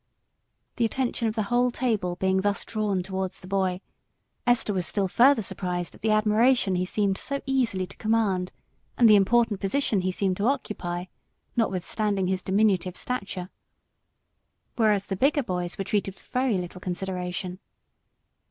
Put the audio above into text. The attention of the whole table being thus drawn towards the boy, Esther was still further surprised at the admiration he seemed so easily to command and the important position he seemed to occupy, notwithstanding his diminutive stature, whereas the bigger boys were treated with very little consideration.